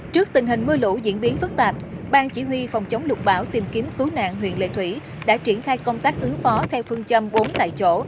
trước tình hình mưa lũ diễn biến phức tạp ban chỉ huy phòng chống lục bão tìm kiếm cứu nạn huyện lệ thủy đã triển khai công tác ứng phó theo phương châm bốn tại chỗ